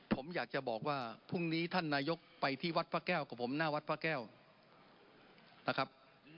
ผมอยากจะบอกว่าพรุ่งนี้ท่านนายกไปที่วัดพระแก้วกับผมหน้าวัดพระแก้วนะครับ